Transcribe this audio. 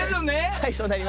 はいそうなります。